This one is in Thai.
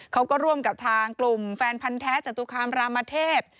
เขาก็ร่วมกับทางกลุ่มแฟนพันธ์แท้จตุคามรามเทพ